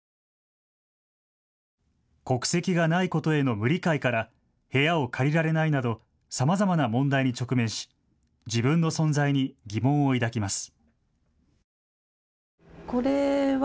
国籍がないことへの無理解から部屋を借りられないなどさまざまな問題に直面し自分の存在に疑問を抱きます。